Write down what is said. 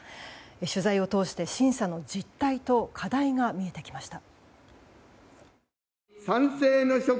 取材を通して審査の実態と課題が見えてきました。